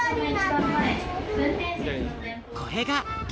これがけ